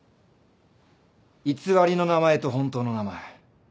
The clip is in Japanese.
偽りの名前と本当の名前